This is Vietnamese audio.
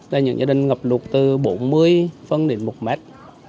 ba mươi là những gia đình ngập lụt từ bốn mươi phân đến một mét